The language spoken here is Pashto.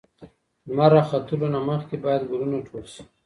لمر راختلو نه مخکې باید ګلونه ټول شي.